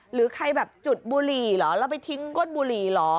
หรือใครแบบจุดบุหรี่เหรอแล้วไปทิ้งก้นบุหรี่เหรอ